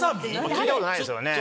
聞いたことないですよね。